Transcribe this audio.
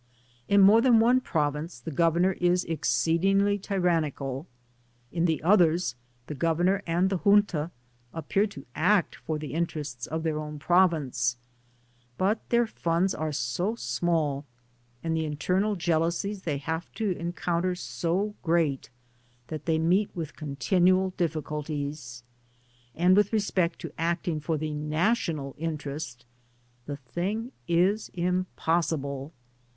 In more than one province the governor is ex Digitized byGoogk OP THE PAMPAS. 13 ceedingly tyrannical : in the others, the governor and the junta appear to act for the interests of their own province ; but their funds are so small, and the internal jealousies they have to encounter so great, that they meet with continual difficulties ; and with respect to acting for the national interest, the thing is impossible.